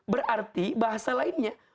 berarti bahasa lainnya